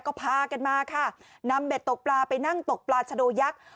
ก็พากันมาค่ะนำเบ็ดตกปลาไปนั่งตกปลาชะโดยักษ์